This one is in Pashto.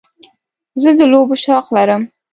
زه د لوبو شوق لرم.